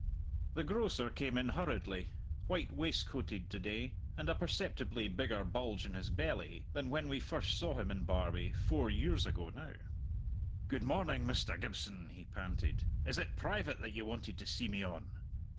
The grocer came in hurriedly, white waistcoated to day, and a perceptibly bigger bulge in his belly than when we first saw him in Barbie, four years ago now. "Good morning, Mr. Gibson," he panted. "Is it private that ye wanted to see me on?"